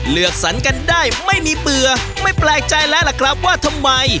เลือกสรรกันได้ไม่มีเบื่อไม่แปลกใจแล้วล่ะครับว่าทำไม